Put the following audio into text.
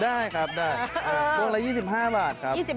ได้ครับได้งวดละ๒๕บาทครับ